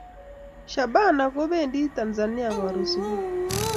Shabana ko pendi tanzania karon subui